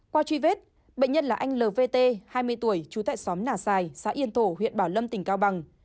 qua truy vết bệnh nhân là anh lvt hai mươi tuổi trú tại xóm nà xài xã yên tổ huyện bảo lâm tỉnh cao bằng